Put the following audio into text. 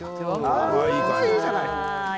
いいじゃない。